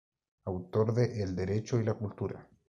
Autor de El Derecho y la Cultura.